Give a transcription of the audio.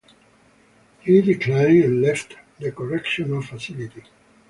He declined and left the correctional facility.